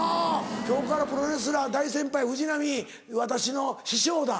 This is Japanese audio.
「今日からプロレスラー大先輩藤波私の師匠だ。